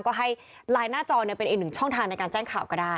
ก็ให้ไลน์หน้าจอเป็นอีกหนึ่งช่องทางในการแจ้งข่าวก็ได้